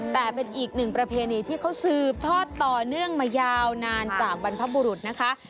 แต่เป็นอีกหนึ่งประเพณีที่เขาสืบทอดต่อเนื่องมายาวนานจากบรรพบุรุษนะคะ